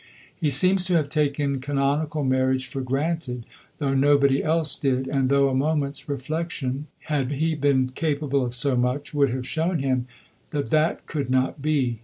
He seems to have taken canonical marriage for granted, though nobody else did, and though a moment's reflection, had he been capable of so much, would have shown him that that could not be.